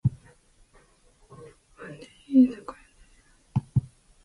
Bandem is the current chairman of the Bali Biennale Organizing Committee.